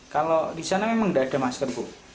kalau di sana memang tidak ada masker bu